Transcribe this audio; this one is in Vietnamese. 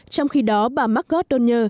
trong khi đó bà mark goddard nhờ